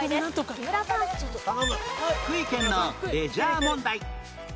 福井県のレジャー問題